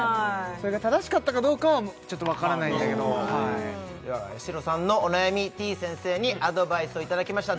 それが正しかったかどうかはちょっとわからないんだけどではやしろさんのお悩みてぃ先生にアドバイスをいただきました